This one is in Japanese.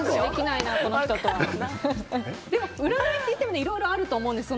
占いっていってもいろいろあると思うんです。